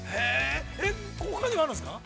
ほかにもあるんですか？